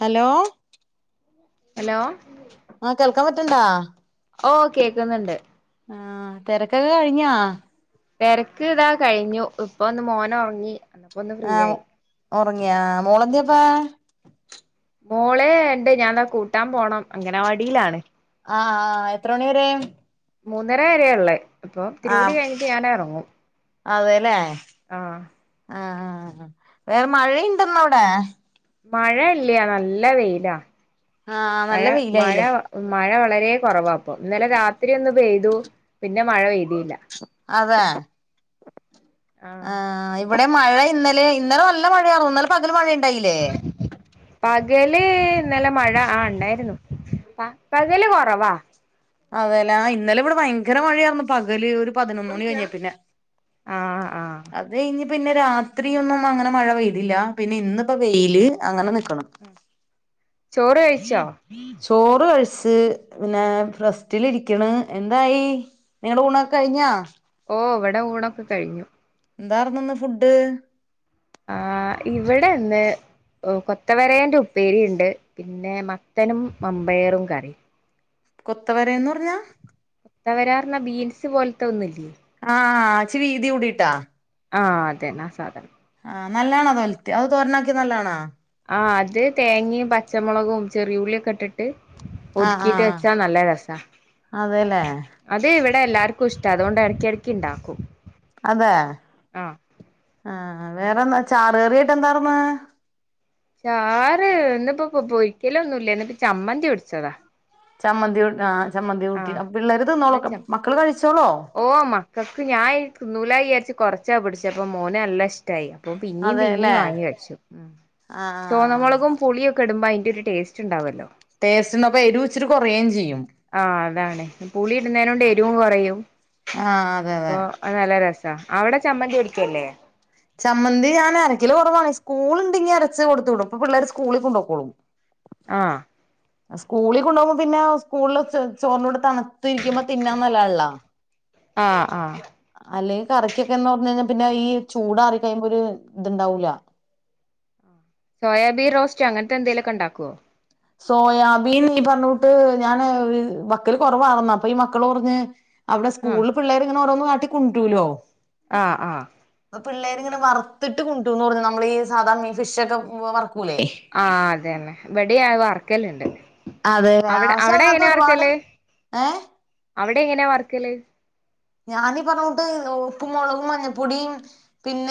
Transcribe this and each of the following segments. Hello hello ആ കേൾക്കാം പറ്റ്ണ്ടാ ഓ കേക്ക്ന്ന്ണ്ട് ആ തെരക്കൊക്ക കഴിഞ്ഞാ തെരക്ക് ഇതാ കഴിഞ്ഞു ഇപ്പൊ ഒന്ന് മോന ഒർങ്ങി ആ ഒറങ്ങിയാ മോളന്തേപ്പാ മോള് ഇണ്ട് ഞാൻ താ കൂട്ടാം പോണം അംഗനവാടിലാണ് ആ എത്ര മണി വരേം മൂന്നര വരെ ഉള്ളേ അപ്പൊ ഇത്തിരികൂടി ആഹ് കഴിഞ്ഞിട്ട് ഞാനെറങ്ങും ആഹ് ആ വേറെ മഴയിണ്ടന്നവിടെ മഴ ഇല്ല നല്ല വെയിലാ ആഹ് മഴ നല്ല മഴ വെയിലായില്ലേ മഴ വളരെ കുറവാപ്പൊ ഇന്നലെ രാത്രി ഒന്ന് പെയ്തു പിന്നെ മഴ പെയ് അതെ ആ ആഹ് ഇവിടെ മഴ ഇന്നലെ ഇന്ന് നല്ല മഴയാർന്ന് ഇന്നലെ പകൽ മഴയ ഉണ്ടായില്ലേ പകല് ഇന്നലെ മഴ ആ ഉണ്ടായിരുന്നു പകല് കുറവാ അതെല്ലേ ഇന്നലെ ഇവിടെ ഭയങ്കര മഴയായിരുന്നു പകല് ഒരു പതിനൊന്ന് മണി കഴിഞ്ഞേ പിന്നെ ആഹ് ആഹ് അത് അത് കഴിഞ്ഞ് പിന്നെ രാത്രിയൊന്നും അങ്ങനെ മഴ പെയ്തില്ല പിന്നെ ഇന്നിപ്പോ വെയില് അങ്ങനെ നിൽക്കണ് ചോറ് കഴിച്ചോ ചോറ് കഴിച്ച് പിന്നെ റസ്റ്റിലിരിക്കണ് എന്തായി നിങ്ങളടെ ഊണൊക്കെ കഴിഞ്ഞാ ഓഹ് ഇവിടെ ഊണൊക്കെ കഴിഞ്ഞു എന്താർന്നു ഇന്ന് ഫുഡ് ആ ഇവിടെ ഇന്ന് കൊത്തവരയന്റെ ഉപ്പേരിണ്ട് പിന്നെ മത്തനും മമ്പയറും കറി കൊത്തവരന്ന് പറഞ്ഞാ കൊത്തവരാന്നറഞ്ഞ ബീൻസ് പോലത്തെ ഒന്നുല്ലേ ആഹ് ഇച്ച് വീതി കൂടീട്ടാ ആ അതെന്നാ ആ സാധനം ആ നല്ലാണോ തോൽത്തി അത് തോരനാക്കി നല്ലതാണോ ആഹ് അത് തേങ്ങയും പച്ചമുളകും ചെറിയ ഉുള്ളിയൊക്കെ ഇട്ടിട്ട് ട്ട് ആഹ് ഒതുക്കിട്ട് ആഹ് വെച്ചാ നല്ല രസാ അതെല്ലേ അത് ഇവിടെ എല്ലാർക്കും ഇഷ്ടാ അതുകൊണ്ട് ഇടക്കി ഇടക്ക് ഇണ്ടാക്കും അതെ ആ ആ വേറെന്താ ചാർകറിയായിട്ട് എന്താർന്ന് ചാറ് ഇന്നിപ്പോ പോ പൊരിക്കല് ഒന്നുല്ല അപ്പ ചമ്മന്തി പൊടിച്ചതാ ചമ്മന്തി ആ ചമ്മന്തി ആ കൂട്ടി പിള്ളേര് തിന്നോളോ മക്കള് കഴിച്ചോളോ ഓഹ് മക്കൾക്ക് ഞാൻ തിന്നൂല വിചാരിച്ച് കൊറച്ചാ പിടിച്ചപ്പ മോനല്ല ഇഷ് ട്ടായി അപ്പൊ പിന്നേം പിന്നേം അതെല്ലേ വാങ്ങി കഴിച്ചു ആഹ് ചുവന്നമുളകും പുളീം കെടുമ്പോ അയിന്റൊരു ടേസ്റ്റ് ഇണ്ടാവോല്ലോ ടേസ്റ്റിന്നപ്പെ എരു ഇച്ചിരി കുറേം ചെയ്യും ആഹ് അതാണ് പുളി ഇടുന്നേ കൊണ്ട് എരിവും കുറയും ആഹ് അതെ അതെ അത് നല്ല രസാ അവിടെ ചമ്മന്തി പൊടിക്കല്ലേ ചമ്മന്തി ഞാനരക്കല് കുറവാണ് സ്കൂളണ്ടെങി അരച്ച് കൊടുത്തു വിടും അപ്പ പിള്ളേർ സ്കൂളി കൊണ്ടൊക്കോളും ആഹ് സ്കൂളി കൊണ്ടുപോമ്പ പിന്നെ സ്കൂളിൽ ചോറിൻ്റെ കൂടെ തണു തിരിക്കുമ്പോ തിന്നാൻ നല്ലതാള്ള ആഹ് ആഹ് അല്ലെങ്കി കറിക്കൊക്കെന്ന് പറഞ്ഞാ കഴിഞ്ഞാ പിന്നെ ഈ ചൂടാറി കഴിയുമ്പ ഒരു ഇത്ണ്ടാവൂല്ല സോയാബീൻ റോസ്റ്റ് അങ്ങനത്തെ എന്തേലുക്ക ഒണ്ടാക്കുവോ സോയാബീൻ ഈ പറഞ്ഞ കൂട്ട് ഞാൻ വെക്കല് കുറവാന്ന് അപ്പ ഈ മക്കള് പറഞ്ഞ് അവിടെ ആഹ് സ്കൂളിൽ പിള്ളേര് ഇങ്ങനെ ഓരോന്ന് കാട്ടിക്കൊണ്ടുരുല്ലോ ആഹ് ആഹ് പ്പ പിള്ളേരിങ്ങനെ വറുത്തിട്ട് കൊണ്ടുന്ന് പറഞ്ഞു നമ്മളീ ഈ സാധാ ഈ ഫിഷ് ഒക്കെ വറുക്കൂല്ലേ ആഹ് അതെന്നെ ഇവിടെയ വർക്കല് ഉണ്ട് അതെ അവിടെ പക്ഷെ അവിടെ അതിനകത്ത് എങ്ങനെയാ ഒരുപാട് വറ്ക്കല് ഏഹ് അവിടെ എങ്ങനെയാ വറ്ക്കല് ഞാനീ പറഞ്ഞ കൂട്ട് ഉപ്പും മുളകും മഞ്ഞപ്പൊടീം പിന്ന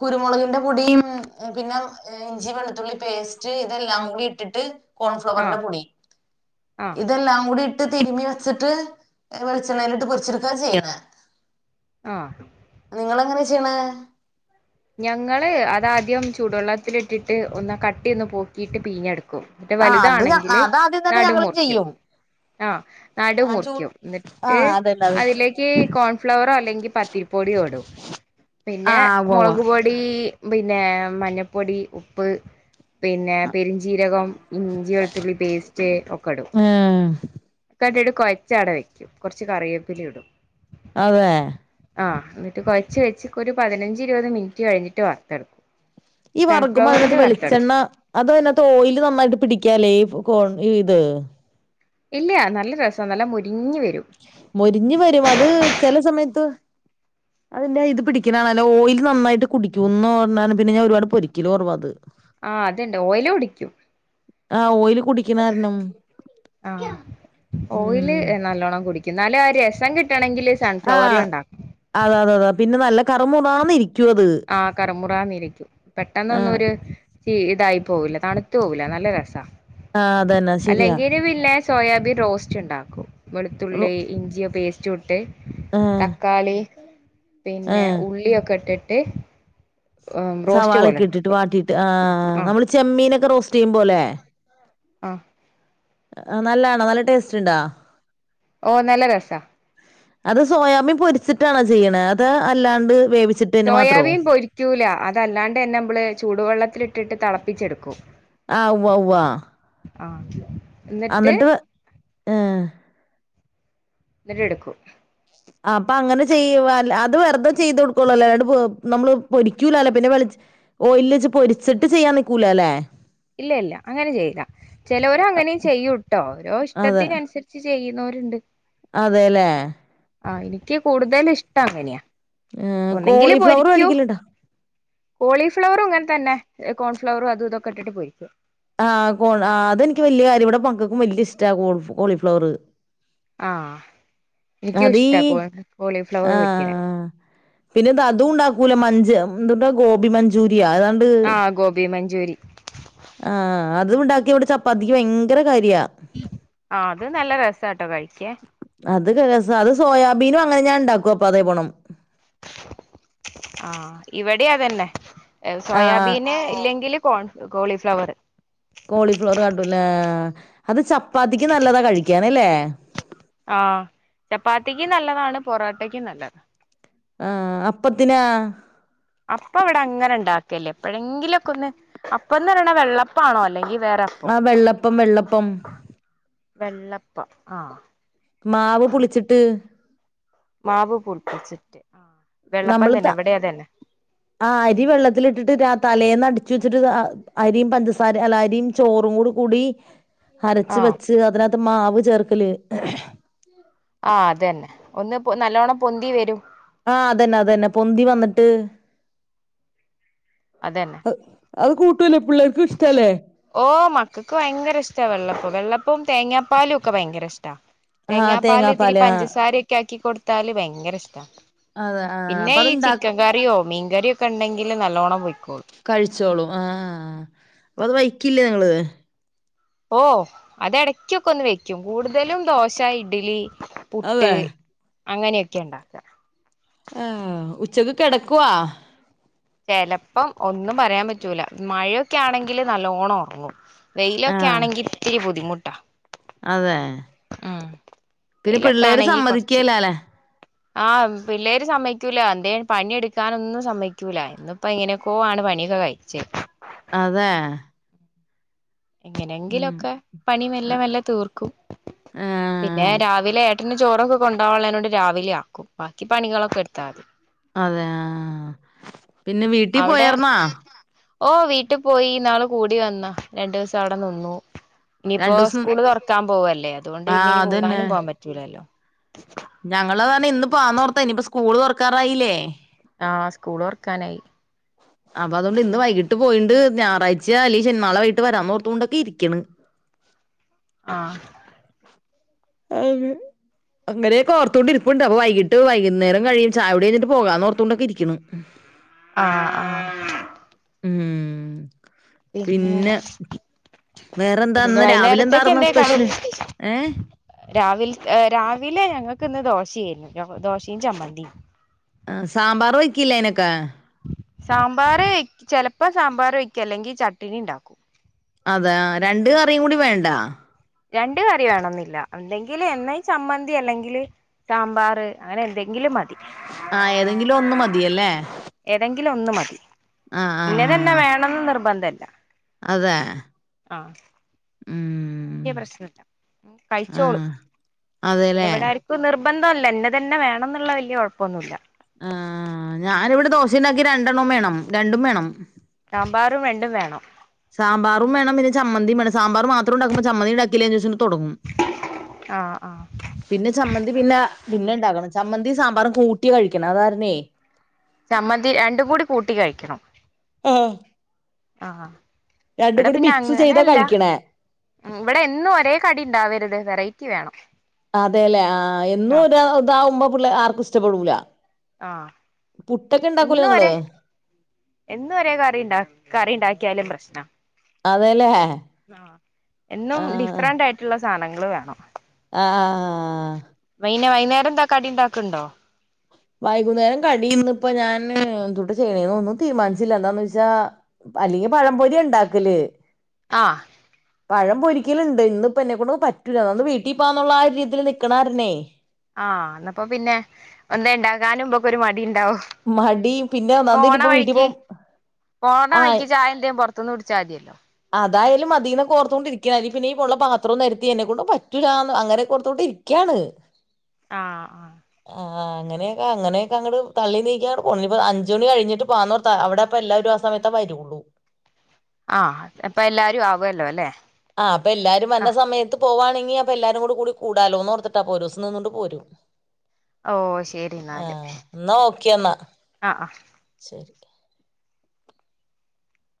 കുരുമൊളകിൻ്റെ പൊടീം പിന്ന ഇഞ്ചി വെളുത്തുള്ളി പേസ്റ്റ് ഇതെല്ലാം കൂടി ഇട്ടിട്ട് ആഹ് കോൺഫ്ലവറിന്റെ പൊടി ആഹ് ഇതെല്ലാം കൂടി ഇ ട്ട് തിരുമി വച്ചിട്ട് വെളിച്ചെണ്ണയിലിട്ട് പൊരിച്ചെടുക്കുകാ ചെയ്യണെ ആഹ് നിങ്ങളെങ്ങനെ ചെയ്യണെ ഞങ്ങള് അതാദ്യം ചൂടുവെള്ളത്തിലിട്ടിട്ട് ഒന്ന കട്ടിന്ന് പോക്കിട്ട് പീഞ്ഞെടുക്കും മറ്റേ ആഹ് അത് വലുതാണെങ്കില് അത് ആദ്യം തന്നെ നടു ഞങ്ങളും മുറിക്കും ചെയ്യും ആഹ് നടു ആ ചൂ മുറിക്കും എന്നിട്ട് ആഹ് അതന്നെ അത് അതിലേക്ക് കോൺഫ്ലവറോ അല്ലെങ്കിൽ പത്തിരി പൊടിയോടും പിന്നെ ആഹ് ഉവ്വ മൊളക് പൊടി പിന്നെ മഞ്ഞപ്പൊടി ഉപ്പ് പിന്നെ പെരുഞ്ചീരകം ഇഞ്ചി വെളുത്തുള്ളി പേസ്റ്റ് ഒക്കെ ഇടും ഉം കണ്ടട് കൊഴച്ചാട വെക്കും കൊറച്ച കറിയേപ്പില ഇടും അതെ ആഹ് എന്നിട്ട് കൊയച്ച് വെച്ചി ഒരു പതിനഞ്ച് ഇരുപത് മിനിറ്റ് കഴിഞ്ഞിട്ട് വറുത്തെടുക്കും ഈ വർകുമ്പ സൺഫ്ലവറിൽ അതിനകത്ത് വറുത്തെടുക്കും വെളിച്ചെണ്ണ അതോ അതിനത്ത് ഓയിയില് നന്നായിട്ട് പിടിക്കാലേ ഈ കോൺ ഇത് ഇല്ല നല്ല രസാ നല്ല മൊരിഞ്ഞ് വരും മൊരിഞ്ഞ് വരും അത് ചെല സമയത്ത് അതിന്റെ ഇത് പിടിക്കാണല്ല ഓയില് നന്നായിട്ട് കുടിക്കുംന്ന് അന്നാരം പിന്ന ഞാൻ ഒരുപാട് പൊരിക്കല് കൊറവാ അത് ആഹ് അത്ണ്ട് ഓയില് കുടിക്കും ആഹ് ഓയില് കുടിക്കണ കാരണം ആഹ് ഓയില് ഉം നല്ലോണ്ണം കുടിക്കും എന്നാലും ആ രസം കിട്ടണെങ്കില് സൺഫ്ലവറിൽ ആഹ് ണ്ടാക്കണം അതെ അതെ അത പിന്ന നല്ല കറുമുറാന്ന് ഇരിക്കു അത് ആഹ് കറുമുറാന്നിരിക്കും ആഹ് പെട്ടെന്നൊന്നുംരു ഇതായി പോകില്ല തണുത്ത് പോകില്ല നല്ല രസാ ആഹ് അതന്നെ ത് ശരിയാ ഇതിവില്ല സോയാബീൻ റോസ്റ്റ് ഉണ്ടാക്കും റോ വെളുത്തുള്ളി ഇഞ്ചിയ പേസ്റ്റ് ഇട്ട് ആഹ് തക്കാളി പിന്നെ ആഹ് ഉള്ളിയൊക്കെ ഇട്ടിട്ട് റോസ്റ്റ് പോലെ സവാളൊക്കെ ഇട്ടിട്ട് ഉണ്ടാക്കും വാട്ടിട്ട് ആഹ് നമ്മള് ചെമ്മീനൊക്കെ റോസ്റ്റ് ചെയ്യുമ്പോലെ ആഹ് നല്ലാണോ നല്ല ടേസ്റ്റ് ഒണ്ടാ ഓഹ് നല്ല രസ അത് സോയാബീൻ പൊരിച്ചിട്ടാണോ ചെയ്യണേ അത് അല്ലാണ്ട് വേവിച്ചിട്ട് തന്നെ മാത്രോ സോയാബീൻ പൊരിക്കൂല അതല്ലാണ്ട് തന്നെ നമ്മള് ചൂടുവെള്ളത്തിലിട്ടിട്ട് തെളപ്പിച്ചെടുക്കും ആഹ് ഉവ്വ ഉവ്വ ആഹ് എന്നിട്ട് അന്നിട്ട് ഏഹ് എന്നിട്ട് എടുക്കും അപ്പഅങ്ങനെ ചെയ്യും അത് വെർതെ ചെയ്തൊട്ക്കൊള്ളല്ലേ അല്ലണ്ട് നമ്മള് പൊരിക്കൂലാല്ലോ പിന്നെ വെളി ഓയിലേജ് പൊരിച്ചിട്ട് ചെയ്യാം നിക്കൂ ലാല്ലേ ഇല്ല ഇല്ല അങ്ങനെ ചെയ്യില്ല ചെലോരങ്ങനെയും ചെയ്യൂട്ടോ ഓരോ ഇഷ്ടത്തിനനുസര് സരിച്ച് ചെയ്യുന്നോരിണ്ട് അതെയല്ലേ ആഹ് എനിക്ക് കൂടുതൽ ഇഷ്ട്ടം അങ്ങനെയാ ഏഹ് ഒന്നെങ്കില് കോളിഫ്ലവറ് പൊരിക്കൂ മേടിക്കലുണ്ടോ കോളിഫ്ലവറും ഇങ്ങനെ തന്നെ കോൺഫ്ലവറും അതും ഇതുംയൊക്കെയിട്ടിട്ട് പൊരിക്കും ആഹ് കോൺ ആഹ് അതെനിക്ക് വല്യ കാര്യ ഇവിടെ മക്കക്കും വല്യ ഇഷ്ട്ടാ കോളിഫ്ലവറ് ആഹ് എനിക്കും അതീ ഇഷ്ട്ടമാ കോൺ കോളിഫ്ലവർ പൊര്ക്കിനെ ആഹ് പിന്നെ ഇത് അതൂം ഉണ്ടാക്കൂല മഞ്ച് എന്തട്ടാ ഗോബി മഞ്ചൂരിയ അതാ ആഹ് ഗോബി മഞ്ചൂരി ആഹ് അതും ഉണ്ടാക്കിയ ഇവിടെ ചപ്പാത്തിക്ക് ഭയങ്കര കാര്യവാ ആ അത് നല്ല രസാട്ടോ കഴിക്കാൻ അത് രസ അത് സോയാബീനും അങ്ങനെ ഞാൻ ഉണ്ടാക്കും അപ്പൊ അതേപോണം ആഹ് ഇവടേം അതന്നെ ആഹ് സോയാബീന് ഇല്ലെങ്കിലും - കോൺ കോളിഫ്ലവറ് കോളിഫ്ലവർ കാട്ടുംലേ അത് ചപ്പാത്തിക്ക് നല്ലതാ കഴിക്കാന് അല്ലേ ആഹ് ചപ്പാത്തിക്കും നല്ലതാണ് പൊറാട്ടക്കും നല്ലതാണ് ആഹ് അപ്പത്തിനാ അപ്പ ഇവടെ അങ്ങനെ ഇണ്ടാക്കേല്ല എപ്പോഴെങ്കിലൊക്കെ ഒന്ന് അപ്പയെന്ന് പറയ്ണ വെള്ളപ്പാണോ അല്ലെങ്കി- വേറെ അപ്പോ ആഹ് വെള്ളപ്പം വെള്ളപ്പം വെള്ളപ്പം ആഹ് മാവ് പുളിച്ചിട്ട്- മാവ് പുളിപ്പിച്ചിട്ട് ആഹ് വെള്ളപ്പം നമ്മള് ത തന്നെ ഇവിടെ അതന്നെ ആഹ് അരി വെള്ളത്തിലിട്ടിട്ട് രാ തലേന്ന് അടിച്ചു വെച്ചിട്ട്- അരിയും പഞ്ചസാര അല്ല അരിം ചോറുംകൂടി കൂടി- അരച്ച് ആഹ് വെച്ച് അതിനകത്ത് മാവ് ചേർക്കല് ആ അതന്നെ ഒന്ന് പൊ നല്ലോണം പൊന്തി വെരും ആഹ് അതന്നെ അതന്നെ പൊന്തി വന്നിട്ട്- അതന്നെ അത് കൂട്ടുവല്ലോ പിള്ളേർക്കും ഇഷ്ടവല്ലേ ഓഹ് മക്കക്ക് ഭയങ്കര ഇഷ്ട്ടവ വെള്ളപ്പം വെള്ളപ്പും തേങ്ങാപ്പാലും ഒക്കെ ഭയങ്കര ഇഷ്ട്ടവ ആ തേങ്ങാപ്പാലി ഇത്തിരി തേങ്ങാപ്പാല് ആ പഞ്ചസാരക്ക്‌യാക്കി കൊടുത്താല് ഭയങ്കര ഇഷ്ട്ടവാ അതെ ആ പിന്നെ അപ്പൊ ഈ അത്ണ്ടാക്ക ചിക്കൻ കറിയോ മീൻ കറി യൊക്കെണ്ടെങ്കില് നല്ലോണം പൊയ്ക്കോളും കഴിച്ചോളും ആഹ് അപ്പ അത് വയ്ക്കില്ലേ നിങ്ങള് ഓഹ് അത് എടക്ക്‌ ഒക്കെ ഒന്ന് വെയ്ക്കും കൂടുതലും ദോശ, ഇഡ്ലി, അതെ പുട്ട്- അങ്ങനെയൊക്കെ ഒണ്ടാക്കുവ ആഹ് ഉച്ചക്ക് കെടക്കുവാ ചെലപ്പം ഒന്നും പറയാൻ പറ്റൂല മഴയൊക്കെ ആണെങ്കില് നല്ലോണം ഒറങ്ങും വെയിലൊക്കെ ആഹ് ആണെങ്കി ഇത്തിരി ബുദ്ധിമുട്ടാ അതെ ഉം പിന്നെ വെയിലൊക്കെ പിള്ളേര് ആണെങ്കി കൊറച്ച് സമ്മതിക്കേല്ലാല്ലെ ആഹ് പിള്ളേര് സമ്മയ്ക്കൂല എന്തേം പണിയെടുക്കാനൊന്നും സമ്മയ്ക്കൂല ഇന്ന് ഇപ്പോ എങ്ങനെക്കോ ആണ് പണിയൊക്കെ കഴിച്ചൈ അതേ എങ്ങനെങ്കിലൊക്കെ പണി മെല്ലെ മെല്ലെ തീർക്കും പിന്നെ ആഹ് രാ രാവിലെ ഏട്ടന് ചോറൊക്കെ കൊണ്ടുവാനുള്ളേനോണ്ട് രാവിലെ ആക്കും ബാക്കി പണികളൊക്കെ എടുത്താമതി അതെ ആഹ് പിന്നെ വീട്ടി അവിടെ പോയാർന്നാ ഓഹ് വീട്ടി പോയി ഇന്നാള് കൂടിവന്ന രണ്ടൂസം അവടെ നിന്നു ഇനിയിപ്പോ രണ്ടൂസം സ്കൂള് തൊറക്കാൻ പോവല്ലേ ആഹ് അതുകൊണ്ടിന്നിനി കൂടാനും പോവാൻ പറ്റൂലല്ലോ ഞങ്ങള് അത്‌കാരണം ഇന്ന് പോവാൻന്നോർത്ത ഇനി ഇപ്പൊ സ്കൂള് തൊറക്കാറായില്ലേ ആഹ് സ്കൂള് തൊറക്കാനായി അപ്പൊ അതുകൊണ്ട് ഇന്ന് വൈകിട്ട് പോയിണ്ട് ഞായറാഴ്ച്ച അല്ലങ്കി ശെ നാളെ വൈകിട്ട് വരാന്നോർത്തുകൊണ്ടക്ക ഇരിക്കണ് [unintelligible] ആഹ് അ അങ്ങനെയൊക്ക ഓർത്തോണ്ട് ഇരിപ്പണ്ട് അപ്പൊ വൈകിട്ട് വൈകുന്നേരം കഴിയും ചായകുടി കഴിഞ്ഞട്ട് പോകാന്നോർത്തൂണ്ടക്ക ഇരിക്കണ് ആഹ് ആഹ് ഉം പിന്നെ പിന്ന വേറെന്താ പിന്നെ ഇന്ന് രാവിലെ വൈന്നേരത്തേക്ക് എന്താരിന്ന് സ്പെഷ്യല് ഏഹ് രാവിലത് ഏഹ് രാവിലെ ഞങ്ങ‌ക്കിന്ന് ദോശേരുന്നു ദോശയും ചമ്മന്തിയും അഹ് സാമ്പാറ് വെക്കില്ലെ അയ്നൊക്ക്‌ സാമ്പാറ് ചെലപ്പ സാമ്പാറ് വയ്ക്കും അല്ലെങ്കി ചട്ണി ഇണ്ടാക്കും അതെ അഹ് രണ്ട് കറിയും കൂടി വേണ്ട രണ്ടു കറി വേണംന്നില്ല എന്തെങ്കില് എന്ന ചമ്മന്തി അല്ലെങ്കില് സാമ്പാർ അങ്ങനെ എന്തെങ്കിലും മതി ആഹ് ഏതെങ്കിലും ഒന്ന് മതിയല്ലേ ഏതെങ്കിലും ഒന്ന് മതി ആ ആ ഇന്നെത് തന്നെ വേണംന്ന് നിർബന്ധില്ല അതേ ഉം വല്ല്യ പ്രശ്നില്ല ആ കഴിച്ചോളും പിന്നെ അതെല്ലേ ഇവിടടു ത്ത് നിർബന്ധം അല്ല എന്നെ തന്നെ വേണംന്നിള്ള വല്ല്യ കൊഴപ്പോന്നുല്ല ആഹ് ഞാനിവിടെ ദോശയിണ്ടാക്കി രണ്ടെണ്ണോം വേണം രണ്ടും വേണം സാമ്പാറും രണ്ടും വേണം സാമ്പാറും വേണം പിന്നെ ചമ്മന്തിയും വേണം സാമ്പാറ് മാത്രം ഉണ്ടാക്കുമ്പ ചമ്മന്തി ഇണ്ടാക്കില്ലേന്ന് ചോദിച്ചോണ്ട് തൊടങ്ങും ആഹ് ആഹ് പിന്നെ ചമ്മന്തി പിന്നെ പിന്നെ ഇണ്ടാക്കണം ചമ്മന്തീം സാമ്പാറും കൂട്ടി കഴിക്കണം അത്കാരണേ ചമ്മന്തി രണ്ടും കൂടി കൂട്ടി കഴിക്കണം ഉം ആഹ് ഇവിടെ കൂടി പിന്നെ മിക്സ് അങ്ങനെ ചെയ്താ അല്ല കഴിക്കണം ഉം ഇവിടെ എന്നും ഒരേ കടി ഇണ്ടാവരുത് വെറൈറ്റി വേണം അതേല്ലെ ആഹ് എന്നും ഇതാ ഇതാവുമ്പ പിള്ളേ ആർക്കും ഇഷ്ട്ടപെടൂല ആഹ് പുട്ടൊക്കെ ഇണ്ടാക്കൂല്ലേ എന്നും നിങ്ങള് ഒരേ എന്നും ഒരേ കറി ഇണ്ടാക്ക് കറി ഇണ്ടാക്കിയാലും പ്രശ്നാ അതെല്ലേ ആഹ് എന്നും ആ ഡിഫറന്റ് ആയിട്ടുള്ള സാധനങ്ങള് വേണം ആഹ് ആഹ് ആഹ് വൈന വൈകുന്നരം എന്താ കടി ഇണ്ടാക്കലിണ്ടോ വൈകുന്നേരം കടി ഇന്ന് ഇപ്പ ഞാൻ എന്തൂട്ടാ ചെയ്യണേന്ന് ഒന്നും തീരുമാനിച്ചില്ല എന്താന്ന് വെച്ചാ അല്ലെങ്കി പഴംപൊരിയാ ഇണ്ടാക്കല് ആഹ് ഉ പഴം പൊരിക്കലിണ്ട് ഇന്നിപ്പ എന്നെക്കൊണ്ടങ്ങും പറ്റൂല അതുകൊണ്ട് ഇന്ന് വീട്ടി പോകന്നുള്ള ആ ഒരു രീതീല് നിക്കണകാരണേ ആഹ് എന്നന്നപ്പോ പിന്നെ ഒന്ന് ഉണ്ടാകാനും മ്പൊക്കൊരു മടി ഉണ്ടാവും മടി പിന്നെ ഒന്നാമത് പോണ ഇനിയിപ്പോ വീട്ടിൽ വഴിക്ക് പോകും പോണ ആ വഴിക്ക് ചായ എന്തലും പുറത്ത് മത്തൊന്ന് വിടിച്ചാൽ മതിയല്ലോ അതായാലും മതീനെക്കോർത്തോണ്ടിരിക്ക പിന്നെ ഇനീപൊള്ള പാത്രം നിരത്തി എന്നെ കൊണ്ട് പറ്റൂല്ലാന്ന് അങ്ങനെക്കോർത്തോണ്ടിരി ക്യാണ് ആഹ് ആ ആഹ് അങ്ങനെക്കെ അങ്ങനെയൊക്കെ അങ്ങട് തള്ളി നീക്കിയാട് നിപ്പോ അഞ്ച് മണി കഴിഞ്ഞിട്ട് പാന്നോർ ത്ത അവിടെ അപ്പ എല്ലാരും ആ സമയേ വരുള്ളൂ ആഹ് അപ്പ എല്ലാരും ആവല്ലോ അല്ലെ? ആഹ് അപ്പ എല്ലാരും വര്ന്ന ആഹ് സമയത്ത് പോവാണെങ്കിൽ അപ്പൊ എല്ലാരും കോട് കൂടി കൂടാലോന്നോർത്തിട്ടാ അപ്പൊ ഒരൂസം നിന്നുകണ്ട് പോരും. ഓ ശരി എന്നാല് ആഹ് എന്നാ ഓക്കെ എന്നാ ആഹ് ആഹ് ശരി.